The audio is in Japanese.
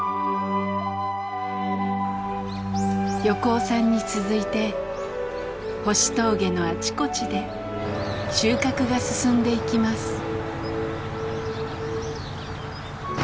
横尾さんに続いて星峠のあちこちで収穫が進んでいきます。